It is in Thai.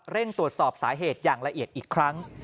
ตรวจสอบสาเหตุอย่างละเอียดอีกครั้ง